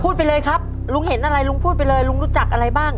ไปเลยครับลุงเห็นอะไรลุงพูดไปเลยลุงรู้จักอะไรบ้าง